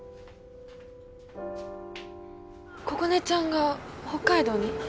心音ちゃんが北海道に？